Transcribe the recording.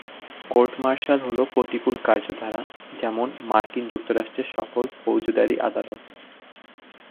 Court-martial হল প্রতিকূল কার্যধারা, যেমন মার্কিন যুক্তরাষ্ট্রের সকল ফৌজদারি আদালত।